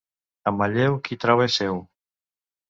A Manlleu, qui troba és seu.